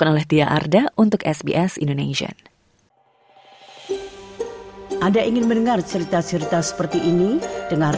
anda tidak berbicara dengan buruk tentang bos anda